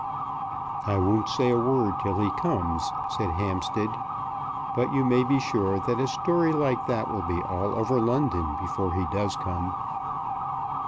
"I won't say a word till he comes," said Hampstead; "but you may be sure that a story like that will be all over London before he does come."